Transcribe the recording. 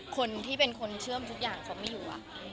คนที่เป็นคนเชื่อมทุกอย่างเขาไม่อยู่